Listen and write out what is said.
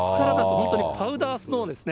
本当にパウダースノーですね。